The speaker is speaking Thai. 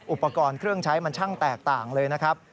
อุปกรณ์เครื่องใช้มันช่างแตกต่างเลยนะครับ